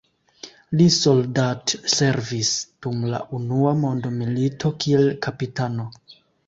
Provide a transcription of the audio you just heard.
Li soldatservis dum la unua mondmilito kiel kapitano.